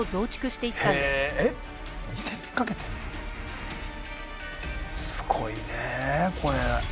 すごいねこれ。